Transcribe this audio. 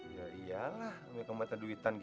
ya iyalah punya kemata duitan gitu